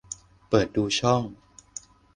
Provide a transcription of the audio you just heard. เปิดดูช่อง